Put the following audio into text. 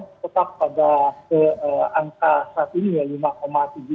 tapi ini juga bisa ditutup pada angka saat ini ya lima tujuh puluh lima gitu